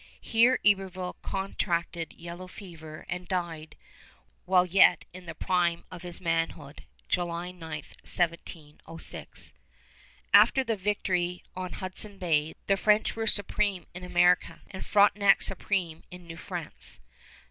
Here Iberville contracted yellow fever and died while yet in the prime of his manhood, July 9, 1706. After the victory on Hudson Bay the French were supreme in America and Frontenac supreme in New France.